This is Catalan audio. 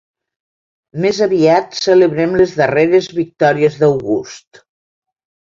Més aviat celebrem les darreres victòries d'August.